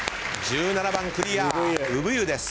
１７番クリア。